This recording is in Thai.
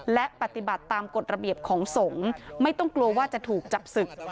และปฏิบัติตามกฎระเบียบของสงฆ์ไม่ต้องกลัวว่าจะถูกจับศึก